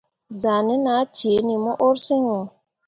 Zahnen ah ceeni mo urseŋ wo.